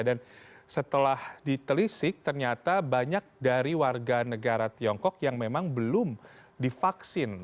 dan setelah ditelisik ternyata banyak dari warga negara tiongkok yang memang belum divaksin